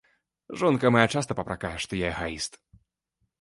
Жонка мая часта папракае, што я эгаіст.